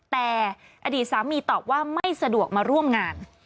แต่อดีตสามีตอบว่าไม่สะดวกมาร่วมงาน